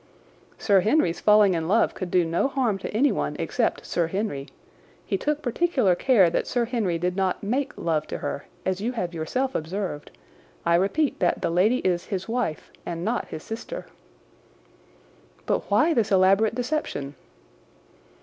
"Sir Henry's falling in love could do no harm to anyone except Sir Henry. He took particular care that Sir Henry did not make love to her, as you have yourself observed. I repeat that the lady is his wife and not his sister." "But why this elaborate deception?"